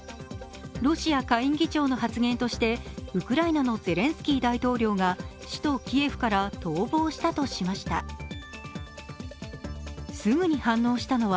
ロシア下院議長の発言としてウクライナのゼレンスキー大統領が首都キエフから逃亡したとしました。